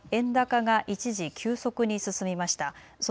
発表直後には円高が一時急速に進みました。